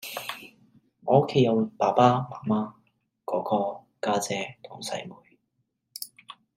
我屋企有爸爸媽媽，哥哥，家姐同細妹